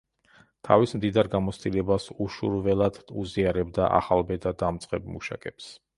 თავის მდიდარ გამოცდილებას უშურველად უზიარებდა ახალბედა, დამწყებ მუშაკებს.